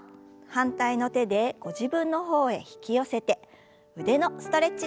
反対の手でご自分の方へ引き寄せて腕のストレッチです。